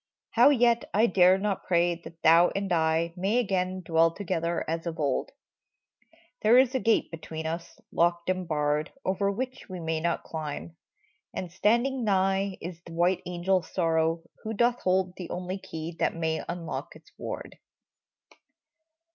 How yet I dare not pray that thou and I Again may dwell together as of old ? There is a gate between us, locked and barred. Over which we may not climb ; and standing nigh Is the white angel Sorrow, who doth hold The only key that may unlock its ward